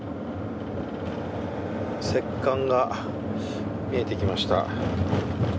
石棺が見えてきました。